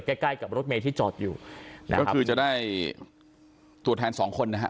ใกล้ใกล้กับรถเมย์ที่จอดอยู่นะฮะก็คือจะได้ตัวแทนสองคนนะฮะ